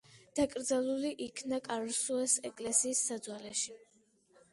დაკრძალული იქნა კარლსრუეს ეკლესიის საძვალეში.